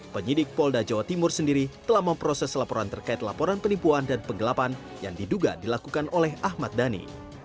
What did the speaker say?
penyidik polda jawa timur sendiri telah memproses laporan terkait laporan penipuan dan penggelapan yang diduga dilakukan oleh ahmad dhani